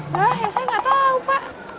yah ya saya nggak tahu pak